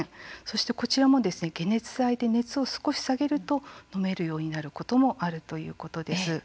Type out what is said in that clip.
そして、こちらも解熱剤で熱を少し下げると飲めるようになることもあるということです。